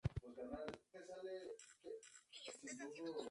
El álbum vendió pocas copias, a pesar de ser bien recibido por la crítica.